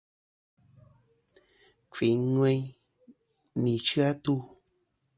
Kfɨyn ŋweyn nɨ̀ ɨchɨ-atu.